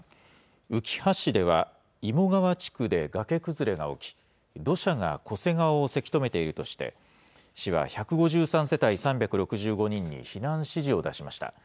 うきは市では、妹川地区で崖崩れが起き、土砂が巨瀬川をせき止めているとして、市は１５３世帯３６５人に避難指示を出しました。